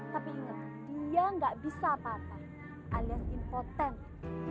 tapi ingat dia gak bisa patah alias impotent